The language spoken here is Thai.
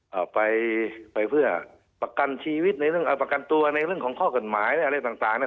เอาไปไปเพื่อประกันชีวิตในเรื่องเอาประกันตัวในเรื่องของข้อกฎหมายอะไรต่างต่างเนี้ย